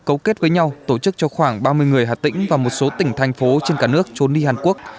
cấu kết với nhau tổ chức cho khoảng ba mươi người hà tĩnh và một số tỉnh thành phố trên cả nước trốn đi hàn quốc